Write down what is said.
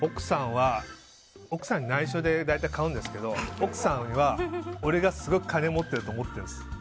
奥さんに内緒で大体買うんですけど奥さんは俺がすごく金を持っていると思ってるんです。